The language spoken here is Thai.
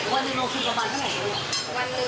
วันหนึ่งคือประมาณเท่าไหร่หรือ